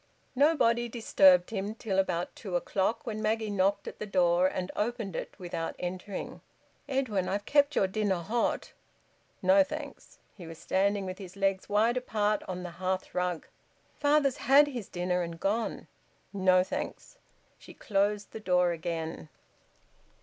Nobody disturbed him till about two o'clock, when Maggie knocked at the door, and opened it, without entering. "Edwin, I've kept your dinner hot." "No, thanks." He was standing with his legs wide apart on the hearth rug. "Father's had his dinner and gone." "No, thanks." She closed the door again.